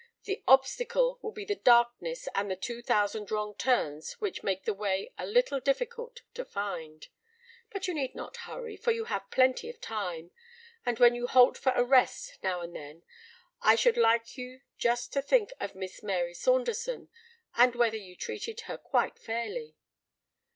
The obstacle will be the darkness and the two thousand wrong turns which make the way a little difficult to find. But you need not hurry, for you have plenty of time, and when you halt for a rest now and then, I should like you just to think of Miss Mary Saunderson, and whether you treated her quite fairly."